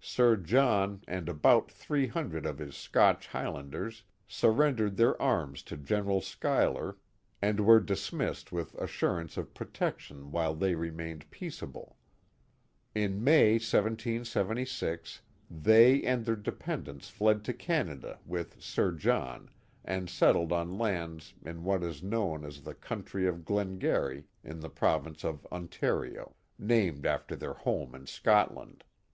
Sir John and about three hundred of his Scotch Highlanders surrendered their arms to General Accounts of the Notorious Butler Family 231 Schuyler, aud were dismissed with assurance of protection while they remained peaceable. In May, 1776, they and their dependants fled to Canada with Sir John and settled on lands in what is known as the county of Glengarry in the province of Ontario, named after their home in Scotland.